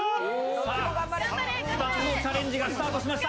さあ、１枠のチャレンジがスタートしました。